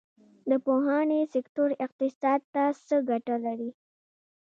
د پوهنې سکتور اقتصاد ته څه ګټه لري؟